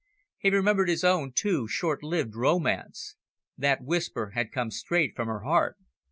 He remembered his own too short lived romance. That whisper had come straight from her heart.